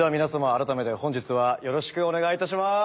改めて本日はよろしくお願いいたします！